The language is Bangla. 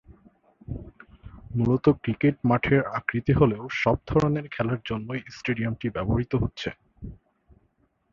মূলত ক্রিকেট মাঠের আকৃতি হলেও সব ধরনের খেলার জন্যই স্টেডিয়ামটি ব্যবহৃত হচ্ছে।